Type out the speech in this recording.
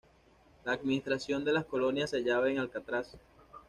La administración de las colonias se hallaba en Alcaraz.